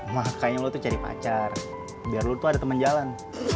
makanya lo tuh cari pacar biar lo tuh ada temen jalan